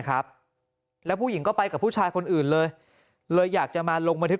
ครับแล้วผู้หญิงก็ไปกับผู้ชายคนอื่นเลยเลยอยากจะมาลงบันทึก